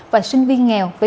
và sinh viên nghèo